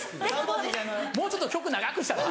もうちょっと曲長くしたら？